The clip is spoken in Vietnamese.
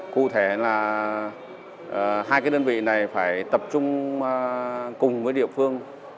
cụ thể là hai cái đơn vị này phải tập trung cùng với địa phương